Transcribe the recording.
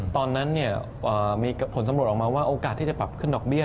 ตอนนั้นมีผลสำรวจออกมาว่าโอกาสที่จะปรับขึ้นดอกเบี้ย